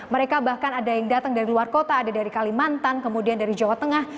mereka bahkan ada yang datang dari luar kota ada dari kalimantan kemudian dari jawa tengah